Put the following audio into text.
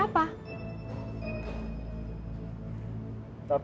aku sudah mencintai dia